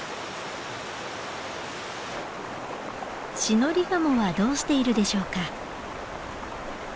シノリガモはどうしているでしょうか？